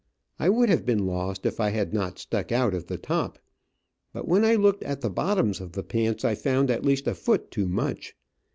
I would have been lost if I had not stuck out of the top. But when I looked at the bottoms of the pants I found at least a foot too much.